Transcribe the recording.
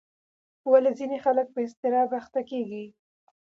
ولې ځینې خلک په اضطراب اخته کېږي؟